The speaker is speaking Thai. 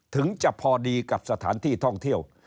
ถึงจะพอดีกับสถานที่ท่องเที่ยว